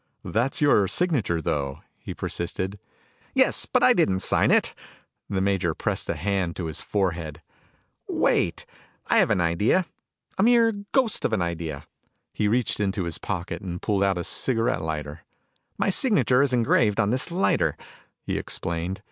"That's your signature, though," he persisted. "Yes, but I didn't sign it." The major pressed a hand to his forehead. "Wait. I've an idea. A mere ghost of an idea!" He reached into his pocket and pulled out a cigarette lighter. "My signature is engraved on this lighter," he explained.